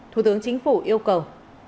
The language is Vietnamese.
thủ tướng chính phủ yêu cầu